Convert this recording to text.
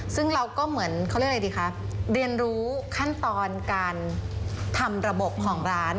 ซึ่งเราก็เหมือนเขาเรียกอะไรดีคะเรียนรู้ขั้นตอนการทำระบบของร้าน